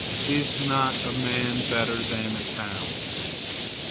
Is not a man better than a town?